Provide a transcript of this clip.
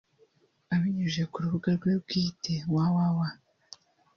Abinyujije ku rubuga rwe bwite (www